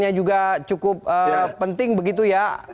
yang juga cukup penting begitu ya